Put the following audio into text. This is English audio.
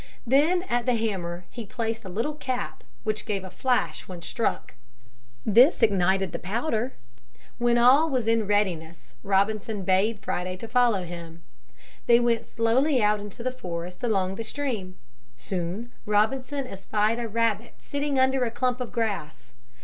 Then at the hammer he placed a little cap which gave a flash when struck. This ignited the powder. When all was in readiness Robinson bade Friday follow him. They went slowly out into the forest along the stream. Soon Robinson espied a rabbit sitting under a clump of grass.